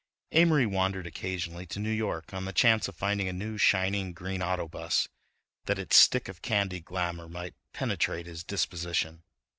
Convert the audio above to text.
Amory wandered occasionally to New York on the chance of finding a new shining green auto bus, that its stick of candy glamour might penetrate his disposition.